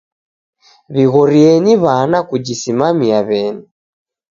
W'ighorienyi w'ana kujisimaia w'eni.